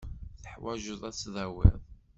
Teḥwajeḍ ad tdawiḍ.